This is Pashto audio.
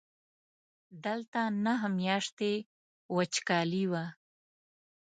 دلته نهه میاشتې وچکالي وه.